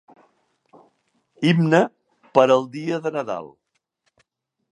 Himne per al dia de Nadal.